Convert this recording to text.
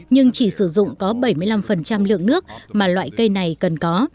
nhưng chỉ sử dụng có bảy mươi năm lượng nước mà loại cây này cần có